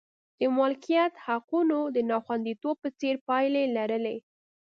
د مالکیت حقوقو د ناخوندیتوب په څېر پایلې یې لرلې.